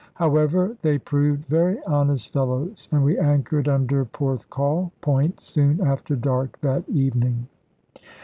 However they proved very honest fellows, and we anchored under Porthcawl point soon after dark that evening.